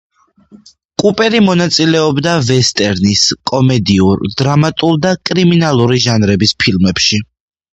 კუპერი მონაწილეობდა ვესტერნის, კომედიურ, დრამატულ და კრიმინალური ჟანრების ფილმებში.